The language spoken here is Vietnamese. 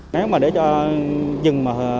nếu mà để cho dừng mà lâu quá